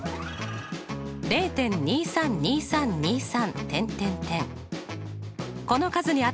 ０．２３２３２３。